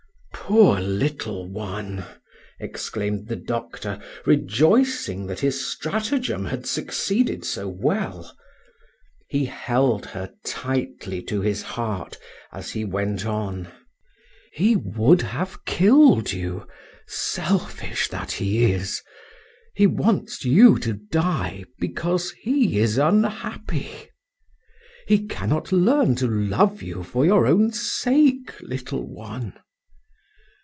"Poor little one!" exclaimed the doctor, rejoicing that his stratagem had succeeded so well. He held her tightly to his heart as he went on. "He would have killed you, selfish that he is! He wants you to die because he is unhappy. He cannot learn to love you for your own sake, little one!